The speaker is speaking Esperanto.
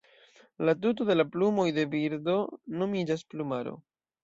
La tuto de la plumoj de birdo nomiĝas "plumaro".